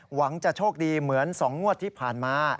หวังจะโชคดีเหมือน๒งวดที่ผ่านมา